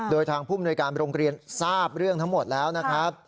โดยทางผู้มนวยการโรงเรียนทราบเรื่องทั้งหมดแล้วนะครับ